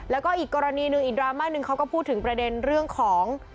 แล้วก็อีกกรณีหนึ่งอีกดราม่าหนึ่งเขาก็พูดถึงประเด็นเรื่องของ